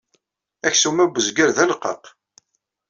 Aksum-a n wezger d aleqqaq.